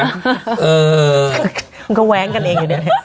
มันก็แว้งกันเองอยู่เนี่ย